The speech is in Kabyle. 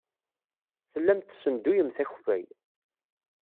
Tellamt tessenduyemt akeffay.